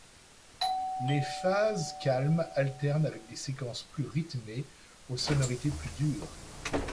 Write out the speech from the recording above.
Les phases calmes alternent avec des séquences plus rythmées et aux sonorités plus dures.